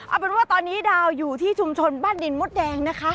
เอาเป็นว่าตอนนี้ดาวอยู่ที่ชุมชนบ้านดินมดแดงนะคะ